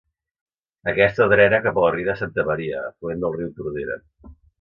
Aquesta drena cap a la riera de Santa Maria, afluent del riu Tordera.